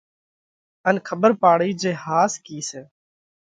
ان کٻر پاڙئي جي ۿاس ڪِي سئہ؟